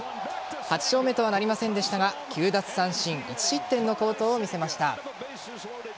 ８勝目とはなりませんでしたが９奪三振１失点の好投を見せました。